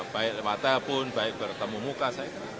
baik wadah pun baik bertemu muka saya